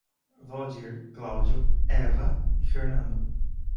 Valdir, Cláudio, Eva e Fernando